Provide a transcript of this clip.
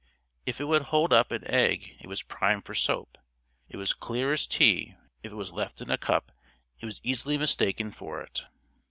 If it would hold up an egg it was prime for soap. It was clear as tea, if it was left in a cup it was easily mistaken for it.